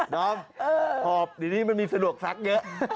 ดอมหอบดีมันมีสะดวกซักเยอะ